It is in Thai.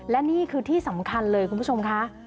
และนี่คือที่สำคัญเลยคุณผู้ชมค่ะ